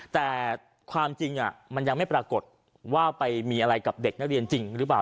แต่ความจริงมันยังไม่ปรากฏว่าไปมีอะไรกับเด็กนักเรียนจริงหรือเปล่า